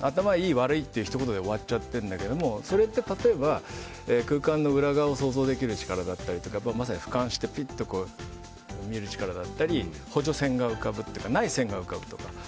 頭がいい、悪いというひと言で終わっちゃってるんだけどそれって、例えば空間の裏側を想像できる力だったりまさに、俯瞰して見る力だったり補助線が浮かぶというかない線が浮かぶとか。